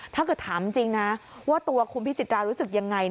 ถ้าเกิดถามจริงนะว่าตัวคุณพิจิตรารู้สึกยังไง